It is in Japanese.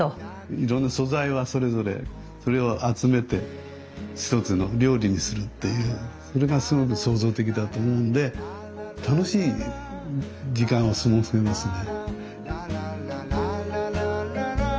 いろんな素材はそれぞれそれを集めて一つの料理にするっていうそれがすごく創造的だと思うんで楽しい時間を過ごせますね。